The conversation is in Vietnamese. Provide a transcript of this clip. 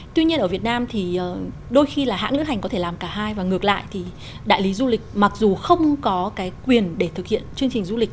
tuy nhiên ở việt nam thì đôi khi là hãng lữ hành có thể làm cả hai và ngược lại thì đại lý du lịch mặc dù không có cái quyền để thực hiện chương trình du lịch